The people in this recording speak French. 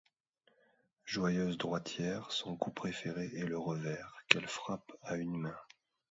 Joueuse droitière, son coup préféré est le revers, qu'elle frappe à une main.